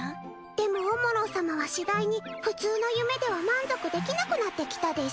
でもオモロー様はしだいに普通の夢では満足できなくなってきたです。